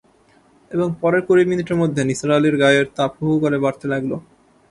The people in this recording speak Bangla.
এবং পরের কুড়ি মিনিটের মধ্যে নিসার আলির গায়ের তাপ হুহু করে বাড়তে লাগল!